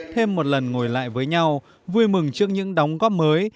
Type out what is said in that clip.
thêm một lần ngồi lại với nhau vui mừng trước những đóng góp mới